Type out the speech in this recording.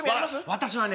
私はね